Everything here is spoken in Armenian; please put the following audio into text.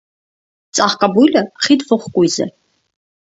Ծաղկաբույլը խիտ ողկույզ է։